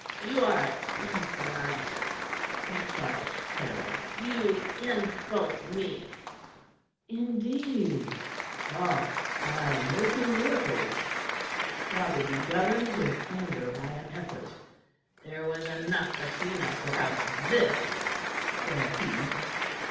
"You are insolent!" he charged Caryll. "You insult me." "Indeed! Ha! I am working miracles." Rotherby governed his anger by an effort. "There was enough between us without this," said he.